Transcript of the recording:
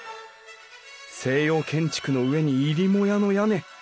西洋建築の上に入母屋の屋根。